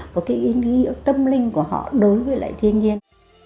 và cái ý nghĩa tâm linh của họ đối với lại thiên nhiên